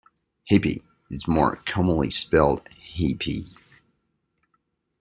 "Hippy" is more commonly spelled "hippie".